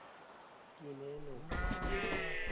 گینه نو